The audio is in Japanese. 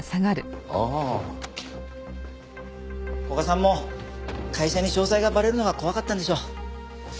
古賀さんも会社に詳細がバレるのが怖かったんでしょう。